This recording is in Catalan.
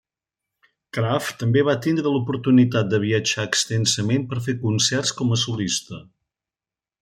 Kraft també va tindre l'oportunitat de viatjar extensament per fer concerts com a solista.